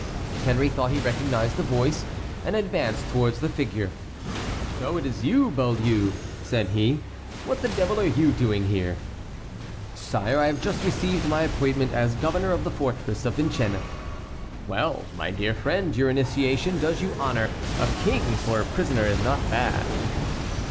Henry thought he recognized the voice, and advanced towards the figure. "So it is you, Beaulieu," said he. "What the devil are you doing here?" "Sire, I have just received my appointment as governor of the fortress of Vincennes." "Well, my dear friend, your initiation does you honor. A king for a prisoner is not bad."